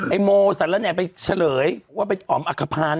ไอ้โมสันและแหน่งไปเฉลยว่าเป็นอ๋อมอักภัณฑ์